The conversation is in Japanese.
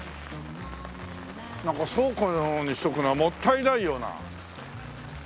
なんか倉庫にしておくのはもったいないような。